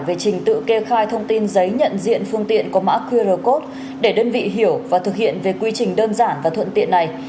về trình tự kê khai thông tin giấy nhận diện phương tiện có mã qr code để đơn vị hiểu và thực hiện về quy trình đơn giản và thuận tiện này